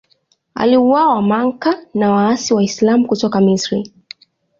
Aliuawa Makka na waasi Waislamu kutoka Misri.